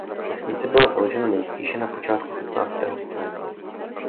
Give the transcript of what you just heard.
Vesnice byla založena nejspíše na počátku patnáctého století.